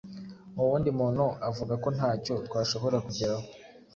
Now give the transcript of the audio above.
mu wundi muntu avuga ko nta cyo twashobora kugeraho.